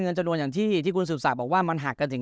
จำนวนอย่างที่ที่คุณสืบศักดิ์บอกว่ามันหักกันถึง